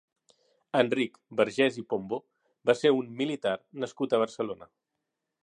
Enric Bargés i Pombo va ser un «Militar» nascut a Barcelona.